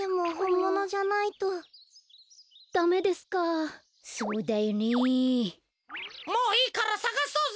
もういいからさがそうぜ！